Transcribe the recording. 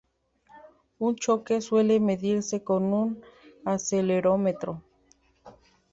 Un choque suele medirse con un acelerómetro.